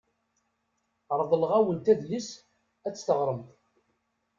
Reḍleɣ-awent adlis ad t-teɣremt.